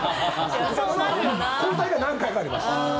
今回で何回かありました。